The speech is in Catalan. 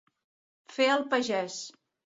Fer el pagès.